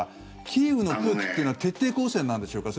キーウの空気というのは徹底抗戦なんでしょうか。